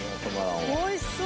おいしそう！